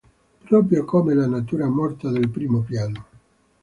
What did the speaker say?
Proprio come la natura morta del primo piano.